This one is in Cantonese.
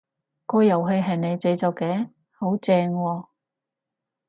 個遊戲係你製作嘅？好正喎！